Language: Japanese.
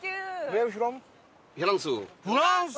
フランス！